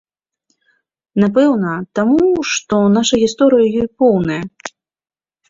Напэўна, таму, што наша гісторыя ёй поўная.